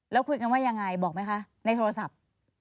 แล้วคุยกันว่ายังไงบอกไหมคะในโทรศัพท์